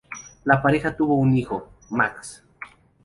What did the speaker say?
La pareja tuvo un hijo, Max.